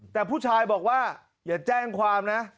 แต่ผู้ชายบอกว่าอย่าแจ้งความนะ